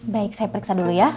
baik saya periksa dulu ya